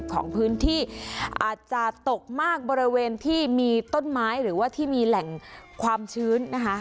ของพื้นที่อาจจะตกมากบริเวณที่มีต้นไม้หรือว่าที่มีแหล่งความชื้นนะคะ